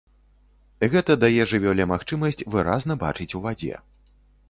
Гэта дае жывёле магчымасць выразна бачыць у вадзе.